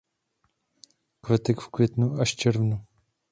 Kvete v květnu až červnu.